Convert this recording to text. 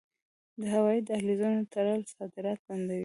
د هوایی دهلیزونو تړل صادرات بندوي.